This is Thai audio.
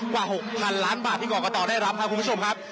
กว่า๖๐๐๐ล้านบาทที่กรกตได้รับครับคุณผู้ชมครับ